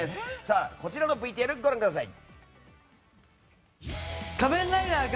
こちらのＶＴＲ、ご覧ください。